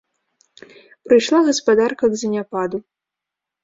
Прыйшла гаспадарка к заняпаду.